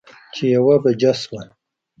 چې يوه بجه شوه